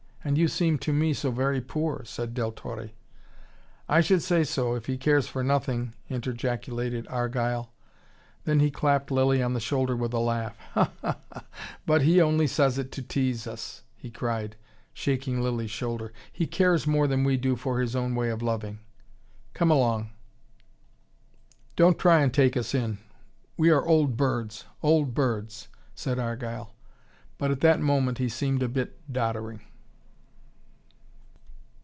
"And you seem to me so very poor," said Del Torre. "I should say so if he cares for nothing," interjaculated Argyle. Then he clapped Lilly on the shoulder with a laugh. "Ha! Ha! Ha! But he only says it to tease us," he cried, shaking Lilly's shoulder. "He cares more than we do for his own way of loving. Come along, don't try and take us in. We are old birds, old birds," said Argyle. But at that moment he seemed a bit doddering.